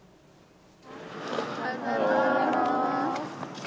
おはようございます。